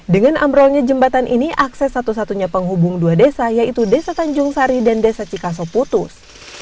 dengan ambrolnya jembatan ini akses satu satunya penghubung dua desa yaitu desa tanjung sari dan desa cikaso putus